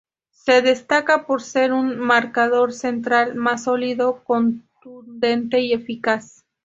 Se destaca por ser un marcador central más sólido, contundente y eficaz.